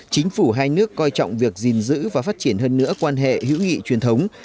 chính phủ hai nước coi trọng việc gìn giữ và phát triển hơn nữa quan hệ hữu nghị truyền thống